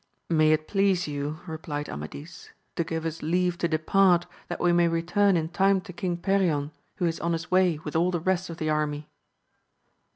May it please you, replied Amadis, to give us leave to depart, that we may return in time to King Perion, who is on his way with all the rest of the army.